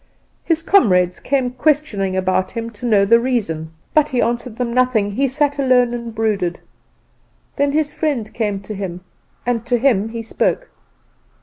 His comrades came questioning about him to know the reason, but he answered them nothing; he sat alone and brooded. Then his friend came to him, and to him he spoke.